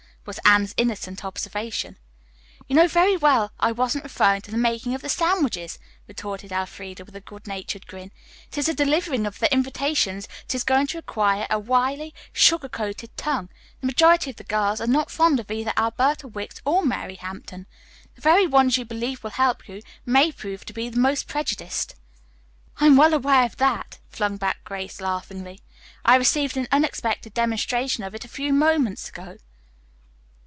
was Anne's innocent observation. "You know very well I wasn't referring to the making of the sandwiches," retorted Elfreda, with a good natured grin. "It is the delivering of the invitations that is going to require a wily, sugar coated tongue. The majority of the girls are not fond of either Alberta Wicks or Mary Hampton. The very ones you believe will help you may prove to be the most prejudiced." "I am well aware of that fact," flung back Grace laughingly. "I received an unexpected demonstration of it a few moments ago."